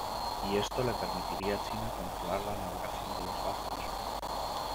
Y esto le permitiría a China controlar la navegación de los barcos.